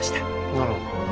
なるほど。